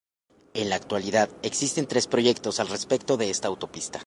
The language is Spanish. En la actualidad existen tres proyectos al respecto de esta autopista.